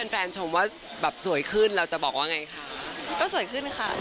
แฟนชมว่าสวยขึ้นเราจะบอกว่าอย่างไรคะ